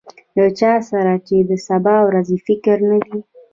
له چا سره چې د سبا ورځې فکر نه وي.